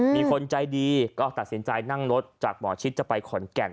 มีคนใจดีก็ตัดสินใจนั่งรถจากหมอชิดจะไปขอนแก่น